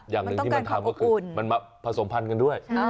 อย่างหนึ่งที่มันทำก็คือมันมาผสมพันธุ์กันด้วย